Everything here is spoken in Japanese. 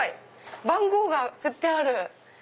番号が振ってある。